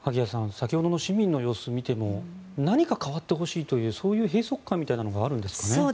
先ほどの市民の様子を見ても何か変わってほしいというそういう閉塞感みたいなのがそうですよね。